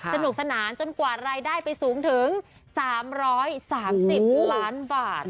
สนุกสนานจนกว่ารายได้ไปสูงถึง๓๓๐ล้านบาท